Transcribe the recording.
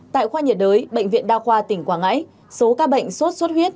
tại khoa nhiệt đới bệnh viện đa khoa tỉnh quảng ngãi số ca bệnh sốt xuất huyết